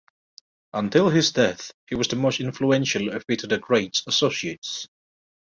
Until his death he was the most influential of Peter the Great's associates.